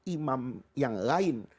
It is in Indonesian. imam yang lain